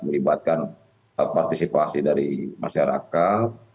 melibatkan partisipasi dari masyarakat